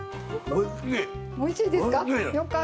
おいしいですか。